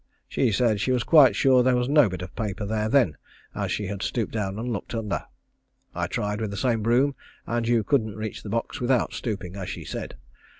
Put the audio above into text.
She said she was quite sure there was no bit of paper there then, as she had stooped down and looked under. I tried with the same broom, and you couldn't reach the box without stooping, as she said.